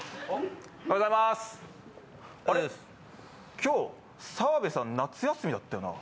今日、澤部さん夏休みだったよな？